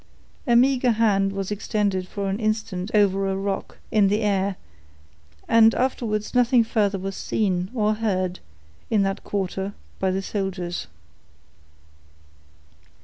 A meager hand was extended for an instant over a rock, in the air, and afterwards nothing further was seen, or heard, in that quarter, by the soldiers.